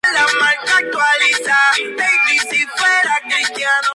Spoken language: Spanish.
Pertenece a la Comarca de Tierra de Celanova.